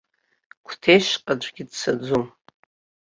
Қәҭешьҟа аӡәгьы дцаӡом.